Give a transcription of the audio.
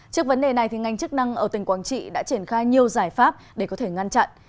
trước vấn đề này ngành chức năng ở tỉnh quảng trị đã triển khai nhiều giải pháp để có thể ngăn chặn